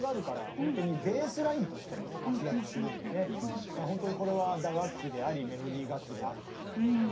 時にはほんとにこれは打楽器でありメロディー楽器であるという感じですね